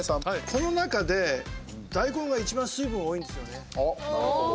この中で大根が一番水分が多いんですよね。